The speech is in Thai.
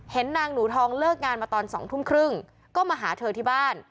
นางหนูทองเลิกงานมาตอน๒ทุ่มครึ่งก็มาหาเธอที่บ้าน